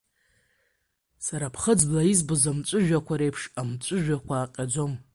Сара ԥхыӡла избоз амҵәыжәҩақәа реиԥш, амҵәыжәҩақәа аҟьаӡом.